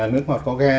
nước ngọt có ga